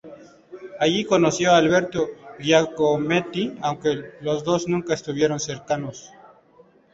Allí conoció a Alberto Giacometti, aunque los dos nunca estuvieron cercanos.